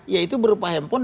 yaitu berupa handphone